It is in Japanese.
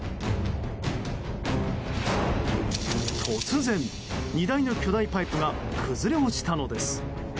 突然、荷台の巨大パイプが崩れ落ちたのです。